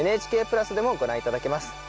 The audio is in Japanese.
ＮＨＫプラスでもご覧頂けます。